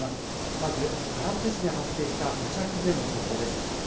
まず唐津市で発生した土砂崩れの情報です。